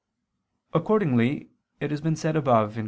Accordingly it has been said above (Q.